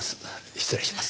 失礼します。